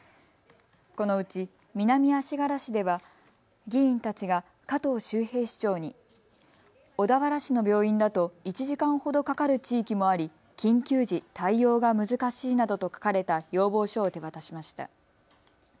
このうち南足柄市では議員たちが加藤修平市長に小田原市の病院だと１時間ほどかかる地域もあり緊急時、対応が難しいなどと書かれた要望書を手渡しました。